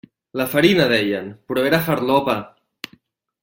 La farina, deien, però era farlopa.